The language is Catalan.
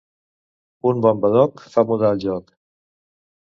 Un bon badoc fa mudar el joc.